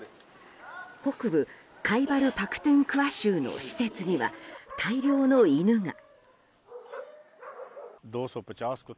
北部カイバル・パクトゥンクワ州の施設には大量の犬が。